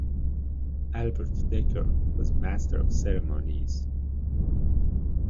Albert Dekker was master of ceremonies.